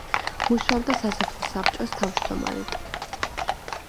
მუშაობდა სასოფლო საბჭოს თავმჯდომარედ.